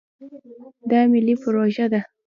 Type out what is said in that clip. دا ملي پروژه ده.